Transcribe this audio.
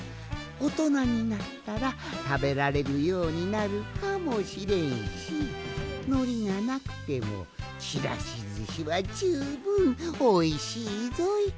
おとなになったらたべられるようになるかもしれんしのりがなくてもちらしずしはじゅうぶんおいしいぞい！